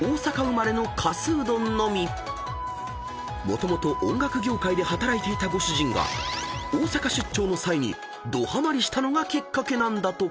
［もともと音楽業界で働いていたご主人が大阪出張の際にどハマりしたのがきっかけなんだとか］